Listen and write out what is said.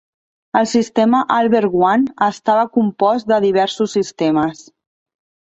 El sistema Albert One estava compost de diversos sistemes.